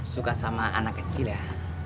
suka sama anak kecil ya